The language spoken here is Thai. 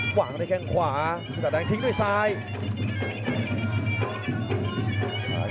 หวังได้แค่ขวาพี่สัตว์แดงทิ้งด้วยซ้าย